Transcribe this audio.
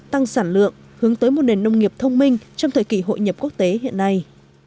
tăng sản lượng hướng tới một nền nông nghiệp thông minh trong thời kỳ hội nhập quốc tế hiện nay